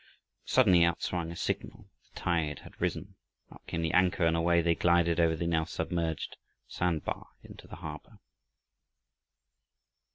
Suddenly out swung a signal; the tide had risen. Up came the anchor, and away they glided over the now submerged sand bar into the harbor.